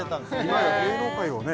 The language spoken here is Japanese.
いまや芸能界をね